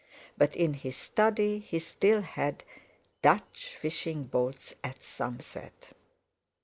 But in his study he still had "Dutch Fishing Boats at Sunset."